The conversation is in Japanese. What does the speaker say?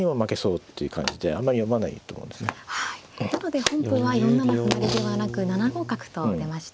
なので本譜は４七歩成ではなく７五角と出ました。